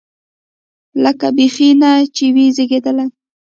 لکه بيخي نه چې وي زېږېدلی.